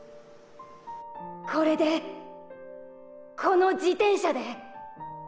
これでこの自転車で。